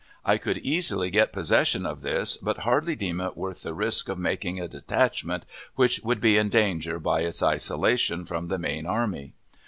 I could easily get possession of this, but hardly deem it worth the risk of making a detachment, which would be in danger by its isolation from the main army.